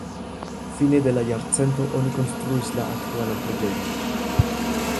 Fine de la jarcento oni konstruis la aktualan preĝejon.